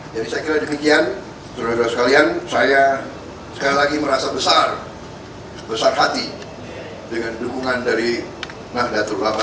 saya kira demikian saudara saudara sekalian saya sekali lagi merasa besar hati dengan dukungan dari nahdlatul ulama